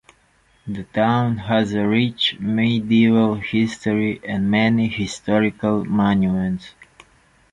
The town has a rich medieval history and many historical monuments.